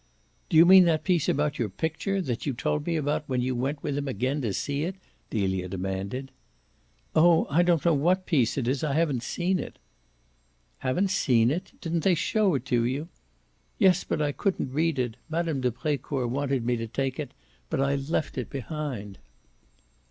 "Do you mean that piece about your picture that you told me about when you went with him again to see it?" Delia demanded. "Oh I don't know what piece it is; I haven't seen it." "Haven't seen it? Didn't they show it to you?" "Yes, but I couldn't read it. Mme. de Brecourt wanted me to take it but I left it behind."